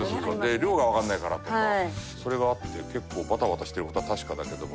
で量がわからないからとかそれがあって結構バタバタしてる事は確かだけども。